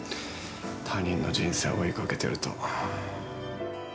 他人の人生を追いかけていると。